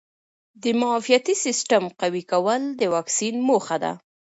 د معافیتي سیسټم قوي کول د واکسین موخه ده.